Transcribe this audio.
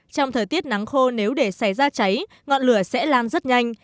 trong thời tiết nắng khô nếu để xảy ra cháy ngọn lửa sẽ lan rất nhanh